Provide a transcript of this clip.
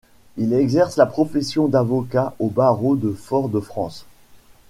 Il exerce la profession d'avocat au barreau de Fort-de-France.